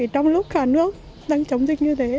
trong lúc cả nước đang chống dịch như thế